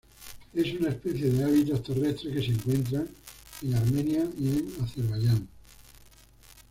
Es una especie de hábitos terrestres que se encuentra en Armenia y en Azerbaijan.